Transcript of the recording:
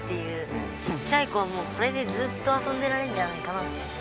ちっちゃい子はもうこれでずっと遊んでられるんじゃないかなって。